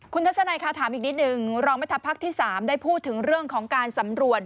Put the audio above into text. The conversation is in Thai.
คุณทัศนัยค่ะถามอีกนิดนึงรองแม่ทัพภาคที่๓ได้พูดถึงเรื่องของการสำรวจ